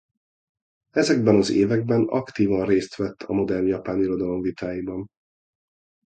Ezekben az években aktívan részt vett a modern japán irodalom vitáiban.